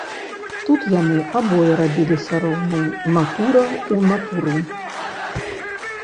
Тут яны абое рабіліся роўныя, натура ў натуру.